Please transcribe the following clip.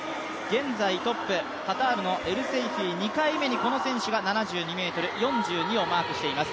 現在トップ、カタールのエルセイフィ、２回目にこの選手が７２ｍ４２をマークしています。